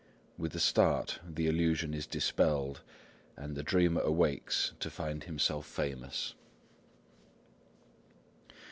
With a start the illusion is dispelled, and the dreamer awakes to find himself famous.